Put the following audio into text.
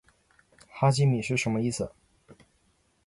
哈基米是什么意思？